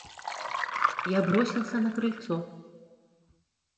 Я бросился на крыльцо.